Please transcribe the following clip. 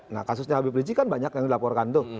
nah kasusnya habib rizik kan banyak yang dilaporkan tuh